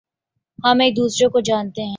ہم ایک دوسرے کو جانتے ہیں